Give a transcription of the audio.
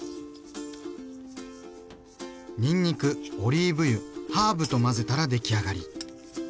にんにくオリーブ油ハーブと混ぜたら出来上がり。